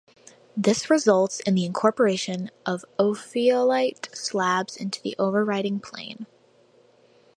This results in the incorporation of ophiolite slabs into the overriding plate.